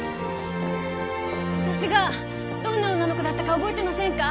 わたしがどんな女の子だったか覚えてませんか？